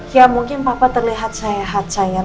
ya mungkin papa terlihat sehat sayang